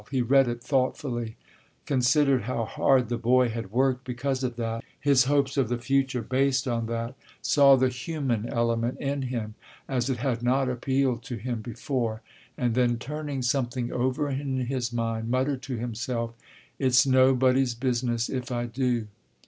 He read it thoughtfully, considered how hard the boy had worked because of that, his hopes of the future based on that; saw the human element in him as it had not appealed to him before, and then turning something over in his mind, muttered to himself, "It's nobody's business if I do."